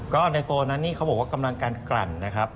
ก็ในโซนนั้นนี่เขาบอกว่ากำลังการกลั่นนะครับ